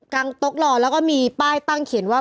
งโต๊ะรอแล้วก็มีป้ายตั้งเขียนว่า